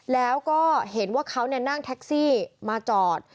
แล้วก็เห็นว่าเขานั่งแท็กซี่มาจอด